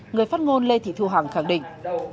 người phát ngôn lê thị thu hằng khẳng định